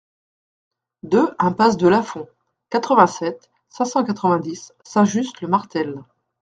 deux impasse de Lasfond, quatre-vingt-sept, cinq cent quatre-vingt-dix, Saint-Just-le-Martel